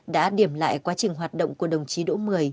đã điểm lại quá trình hoạt động của đồng chí đỗ mười